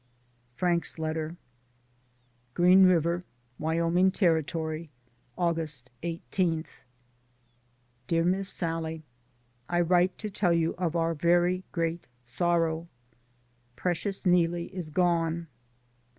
Frank's letter : Green River, Wyoming Ter., Aug. 18. Dear Miss Sallie — I write to tell you of our very great sorrow. Precious Neelie is gone.